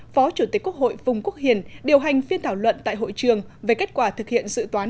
phó chủ tịch quốc hội phùng quốc hiền điều hành phiên thảo luận tại hội trường về kết quả thực hiện dự toán